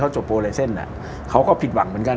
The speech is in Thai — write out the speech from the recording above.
คือคุยพี่อ๋อบบางคน